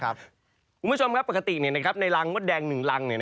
คุณผู้ชมปกติในลังมดแดงหนึ่งลัง